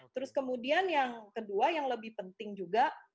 terus kemudian yang kedua yang lebih penting juga